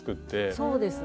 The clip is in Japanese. そうですね。